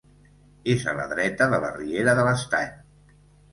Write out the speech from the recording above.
És a la dreta de la Riera de l'Estany.